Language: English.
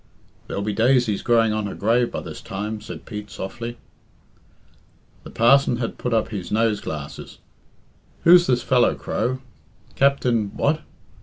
"There'll be daisies growing on her grave by this time," said Pete softly. The parson had put up his nose glasses. "Who's this fellow, Crow? Captain what?